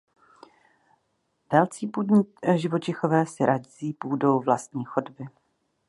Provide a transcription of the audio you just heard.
Velcí půdní živočichové si razí půdou vlastní chodby.